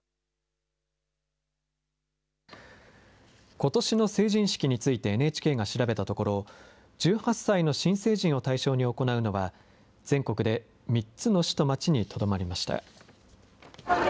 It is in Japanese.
ことしの成人式について、ＮＨＫが調べたところ、１８歳の新成人を対象に行うのは、全国で３つの市と町にとどまりました。